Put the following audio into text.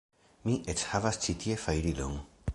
Mi eĉ havas ĉi tie fajrilon